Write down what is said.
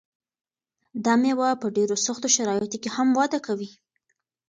دا مېوه په ډېرو سختو شرایطو کې هم وده کوي.